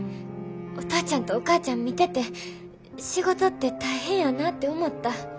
お父ちゃんとお母ちゃん見てて仕事って大変やなて思った。